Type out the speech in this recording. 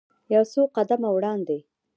یو څو قدمه وړاندې.